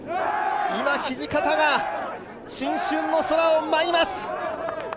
今、土方が新春の空を舞います。